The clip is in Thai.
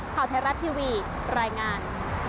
ข่าวไทยรัฐทีวีรายงาน